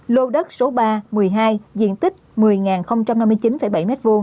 lô đất số ba một mươi hai diện tích một mươi năm mươi chín bảy m hai